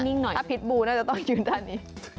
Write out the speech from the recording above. หน่อยถ้าพิษบูน่าจะต้องยืนด้านนี้